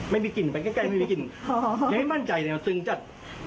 ไม่มีกลิ่นไปใกล้ไม่มีกลิ่นยังไม่มั่นใจแนวซึ้งจัด